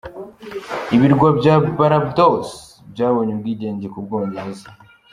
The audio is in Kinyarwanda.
Ibirwa bya Barbados byabonye ubwigenge ku Bwongereza.